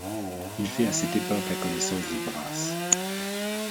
Il fait à cette époque la connaissance du Vrasse.